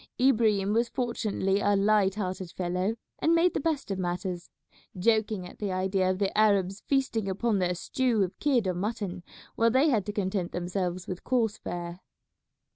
Ibrahim was fortunately a light hearted fellow and made the best of matters, joking at the idea of the Arabs feasting upon their stew of kid or mutton while they had to content themselves with coarse fare.